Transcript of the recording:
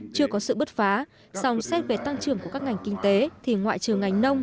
chưa có sự bứt phá song xét về tăng trưởng của các ngành kinh tế thì ngoại trưởng ngành nông